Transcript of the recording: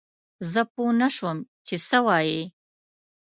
زه پوه نه شوم چې څه وايي؟